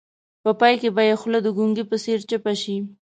په پای کې به یې خوله د ګونګي په څېر چپه شي.